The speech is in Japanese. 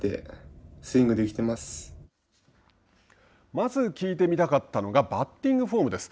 まず聞いてみたかったのがバッティングフォームです。